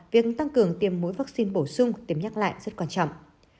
việc tăng cường tiêm mũi vaccine bổ sung tiêm nhắc lại rất quan trọng